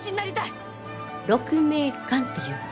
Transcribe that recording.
鹿鳴館っていうの。